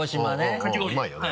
うまいよね。